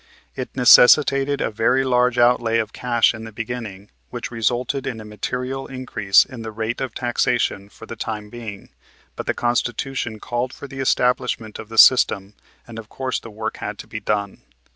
It necessitated a very large outlay of cash in the beginning, which resulted in a material increase in the rate of taxation for the time being, but the Constitution called for the establishment of the system, and of course the work had to be done.